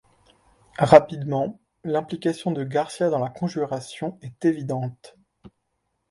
Rapidement l'implication de García dans la conjuration est évidente.